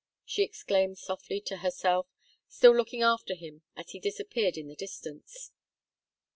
she exclaimed softly to herself, still looking after him as he disappeared in the distance.